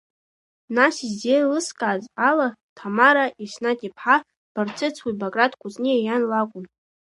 Нас излеилыскааз ала, Ҭамара Еснаҭ-иԥҳа Барцыц уи Баграт Кәыҵниа иан лакәын.